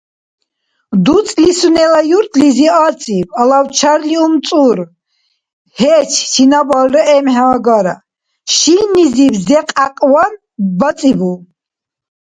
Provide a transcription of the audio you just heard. ДуцӀли сунела юртлихӀи ацӀиб, алавчарла умцӀур — гьеч чинабалра эмхӀе агара. «Шиннизиб зе кьякьван бацӀибу?!»